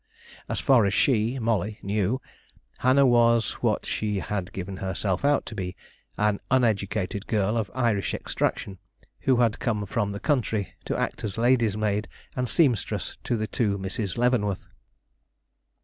As far as she, Molly, knew, Hannah was what she had given herself out to be, an uneducated girl of Irish extraction, who had come from the country to act as lady's maid and seamstress to the two Misses Leavenworth.